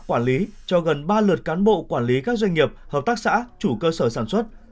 quản lý cho gần ba lượt cán bộ quản lý các doanh nghiệp hợp tác xã chủ cơ sở sản xuất